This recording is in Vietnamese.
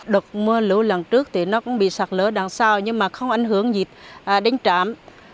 đợt mưa lũ lần trước thì nó cũng bị sạt lở đằng sau nhưng mà không ảnh hưởng gì đến trạm